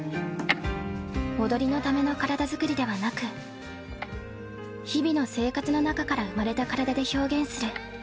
踊りのための体作りではなく日々の生活の中から生まれた体で表現する。